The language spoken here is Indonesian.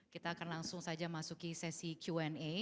kita akan langsung saja masuki sesi qna